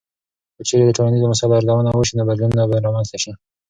که چیرې د ټولنیزو مسایلو ارزونه وسي، نو بدلونونه به رامنځته سي.